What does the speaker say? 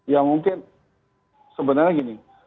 ya mungkin sebenarnya gini